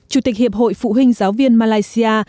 chủ tịch hiệp hội phụ huynh giáo viên malaysia